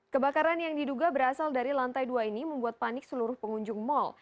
kebakaran yang diduga berasal dari lantai dua ini membuat panik seluruh pengunjung mal